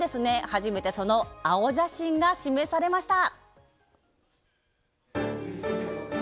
初めてその青写真が示されました。